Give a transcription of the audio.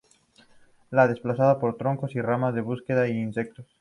Se desplaza por troncos y ramas en búsqueda de insectos.